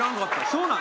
そうなの？